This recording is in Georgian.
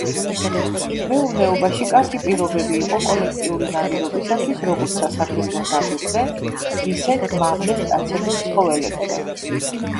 მეურნეობაში კარგი პირობები იყო კოლექტიური ნადირობისათვის როგორც სასარგებლო ნადირზე, ისე მავნე მტაცებელ ცხოველებზე.